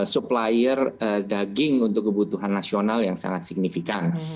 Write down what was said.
supplier daging untuk kebutuhan nasional yang sangat signifikan